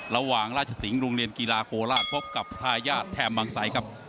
ระหว่างราชสิงห์รุงเรียนกีฬาโคลาครบกับทายาทแถมบางสายครับ